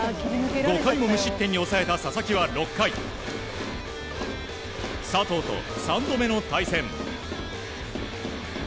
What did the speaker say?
５回も無失点に抑えた佐々木は６回佐藤と３度目の対戦。